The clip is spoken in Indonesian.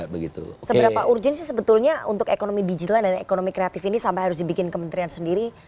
seberapa urgent sih sebetulnya untuk ekonomi digital dan ekonomi kreatif ini sampai harus dibikin kementerian sendiri